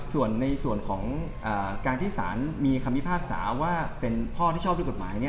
ส่วนในส่วนของการที่สารมีคำพิพากษาว่าเป็นพ่อที่ชอบด้วยกฎหมาย